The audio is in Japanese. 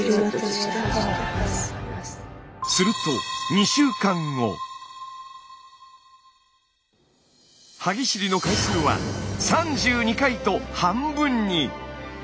すると歯ぎしりの回数は３２回と半分に！